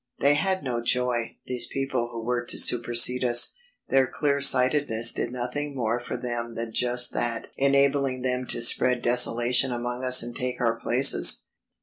They had no joy, these people who were to supersede us; their clear sightedness did nothing more for them than just that enabling them to spread desolation among us and take our places.